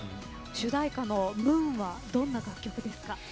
主題歌の「Ｍｏｏｎ」はどんな楽曲ですか？